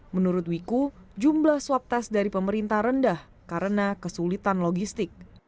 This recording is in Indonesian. menurut wiku jumlah swab tes dari pemerintah rendah karena kesulitan logistik